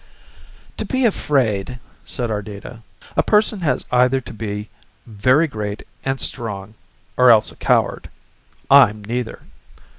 "To be afraid," said Ardita, "a person has either to be very great and strong or else a coward. I'm neither."